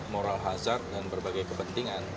moral hazard dan berbagai kepentingan